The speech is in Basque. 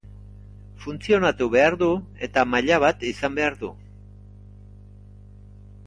Funtzionatu behar du eta maila bat izan behar du.